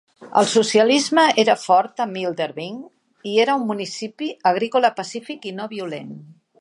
El socialisme era fort en Wilmerding i era un municipi agrícola pacífic i no violent.